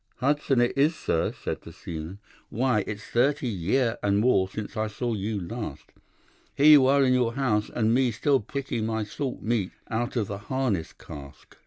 "'Hudson it is, sir,' said the seaman. 'Why, it's thirty year and more since I saw you last. Here you are in your house, and me still picking my salt meat out of the harness cask.